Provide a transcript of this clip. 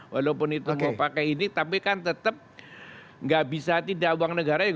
walaupun itu mau pakai ini tapi kan tetap nggak bisa tidak uang negara